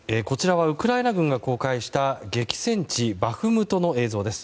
ウクライナ軍が公開した激戦地バフムトの映像です。